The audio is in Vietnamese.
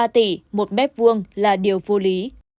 hai bốn mươi ba tỷ một bếp vuông là điều vô lý